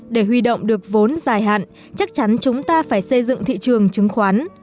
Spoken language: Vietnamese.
để huy động được vốn dài hạn chắc chắn chúng ta phải xây dựng thị trường chứng khoán